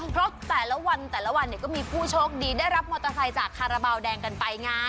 เพราะแต่ละวันแต่ละวันก็มีผู้โชคดีได้รับมอเตอร์ไซค์จากคาราบาลแดงกันไปไง